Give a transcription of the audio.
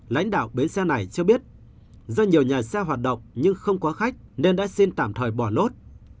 lãnh đạo bến xe này cho biết do nhiều nhà xe hoạt động nhưng không có khách nên đã xin tạm thời bỏ lốt